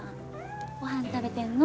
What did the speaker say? ご飯食べてんの？